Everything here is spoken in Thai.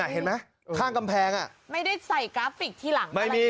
เห็นมั้ยข้างกำแพงอ่ะไม่ได้ใส่กราฟิกที่หลังอะไรอย่างนี้นะ